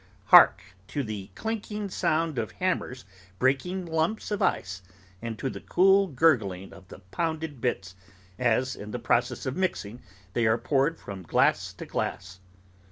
Hark! to the clinking sound of hammers breaking lumps of ice, and to the cool gurgling of the pounded bits, as, in the process of mixing, they are poured from glass to glass!